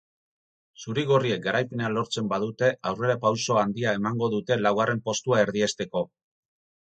Zuri-gorriek garaipena lortzen badute aurrerapauso handia emango dute laugarren postua erdiesteko.